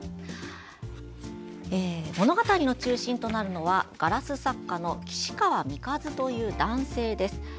物語の中心となるのはガラス作家の岸川ミカズという男性です。